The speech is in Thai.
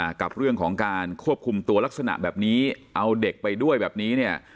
กับเรื่องของการควบคุมตัวลักษณะแบบนี้เอาเด็กไปด้วยแบบนี้เนี่ย